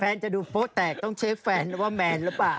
จะดูโป๊แตกต้องเชฟแฟนว่าแมนหรือเปล่า